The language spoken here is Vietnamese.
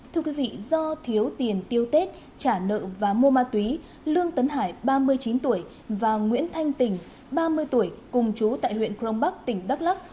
thưa quý vị do thiếu tiền tiêu tết trả nợ và mua ma túy lương tấn hải ba mươi chín tuổi và nguyễn thanh tỉnh ba mươi tuổi cùng chú tại huyện crong bắc tỉnh đắk lắc